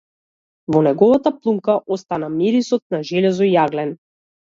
Во неговата плунка остана мирисот на железо и јаглен.